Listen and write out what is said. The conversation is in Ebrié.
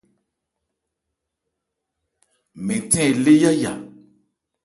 Mɛn nthɛ́n elé yáya.